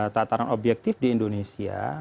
tataran objektif di indonesia